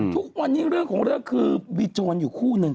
ทุกวันนี้เรื่องของเรื่องคือมีโจรอยู่คู่หนึ่ง